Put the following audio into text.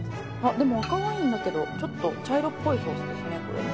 でも赤ワインだけどちょっと茶色っぽいソースですねこれ。